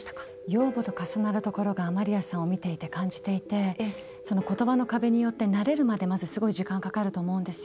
養母と重なるところがマリアさんを見ていて感じていてことばの壁に慣れるのに時間がかかると思うんです。